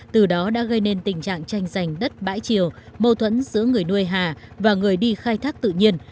từ đó đã gây nên tình trạng tranh giành đất bãi chiều mâu thuẫn giữa người nuôi hà và người đi khai thác tự nhiên